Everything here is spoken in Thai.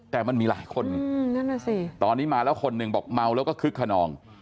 แต่มันมีหลายคนตอนนี้มาแล้วคนหนึ่งบอกเมาแล้วก็คึกขนอง